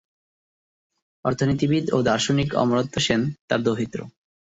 অর্থনীতিবিদ ও দার্শনিক অমর্ত্য সেন তার দৌহিত্র।